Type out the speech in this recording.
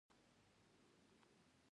د سهار لس بجې د هرات په لور روان شولو.